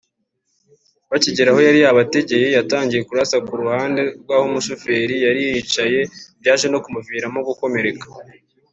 Bakigera aho yari yabategeye yatangiye kurasa ku ruhande rw’ aho umushoferi yari yicaye byaje no guhita bimuviramo gukomereka